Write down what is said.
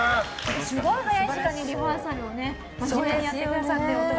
すごい早い時間にリハーサルを真面目にやってくださってね。